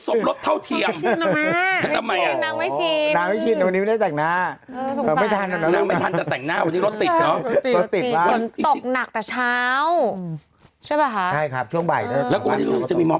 สมรถเท่าเทียมไม่ชิ้นน้ำนะไม่ชิ้นน้ำไม่ชิ้นน้ำไม่ชิ้น